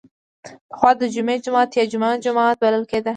پخوا د جمعې جومات یا جمعه جومات بلل کیده.